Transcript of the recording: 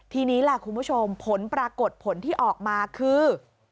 ทีนี้แหละคุณผู้ชมผลปรากฏผลที่ออกมาคือ